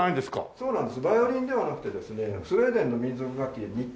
そうなんです。